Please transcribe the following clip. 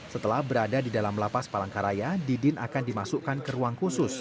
setelah berada di dalam lapas palangkaraya didin akan dimasukkan ke ruang khusus